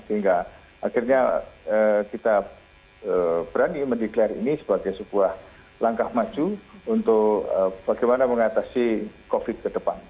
sehingga akhirnya kita berani mendeklarasi ini sebagai sebuah langkah maju untuk bagaimana mengatasi covid ke depan